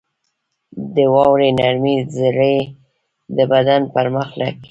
• د واورې نرمې ذرې د بدن پر مخ لګي.